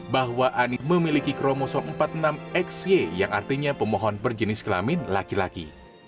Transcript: bahwa anit memiliki kromoso empat puluh enam xy yang artinya pemohon berjenis kelamin laki laki